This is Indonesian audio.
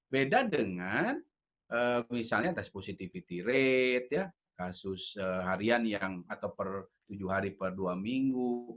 beda dengan misalnya tes positivity rate kasus harian yang atau per tujuh hari per dua minggu